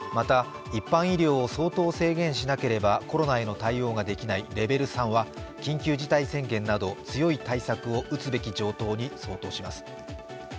また、一般医療を相当制限しなければコロナへの対応ができないレベル３は緊急事態宣言など強い対策を打つべき状況に相当します。